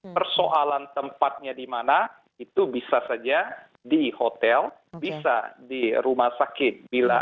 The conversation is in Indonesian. persoalan tempatnya di mana itu bisa saja di hotel bisa di rumah sakit bila